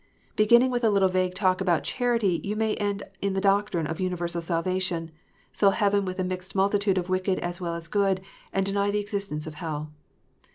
Beginning with a little vague talk about "charity," you may end in the doctrine of universal salvation, fill heaven with a mixed multitude of wicked as well as good, and deny the existence of hell.